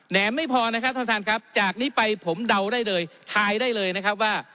ไม่พอนะครับท่านท่านครับจากนี้ไปผมเดาได้เลยทายได้เลยนะครับว่า